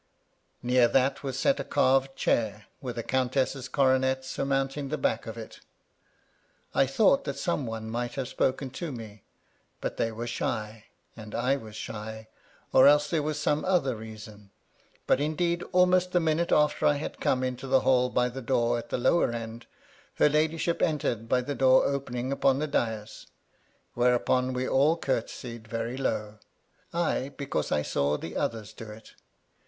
Near that was set a carved chair, with a countess's coronet surmounting the back of it. I thought that some one might have spoken to me ; but they were shy, and I was shy ; or else there was some other reason ; but, indeed, almost the minute after I had come into the hall by the door at the lower end, her ladyship entered by the door opening upon the dais; whereupon we all curtsied very low; I, because 1 saw the others do it.